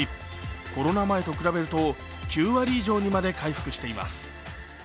コロナ前と比べると９割以上にまで回復しています。